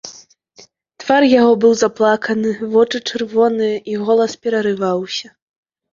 Твар яго быў заплаканы, вочы чырвоныя, і голас перарываўся.